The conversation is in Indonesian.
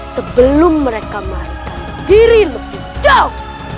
sebelum mereka melarikan diri lebih jauh